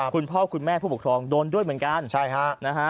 คุณพ่อคุณแม่ผู้ปกครองโดนด้วยเหมือนกันใช่ฮะนะฮะ